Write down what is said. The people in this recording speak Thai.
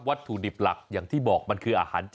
ถุดิบหลักอย่างที่บอกมันคืออาหารเจ